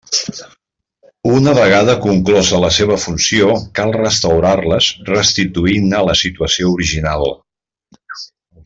Una vegada conclosa la seva funció, cal restaurar-les restituint-ne la situació original.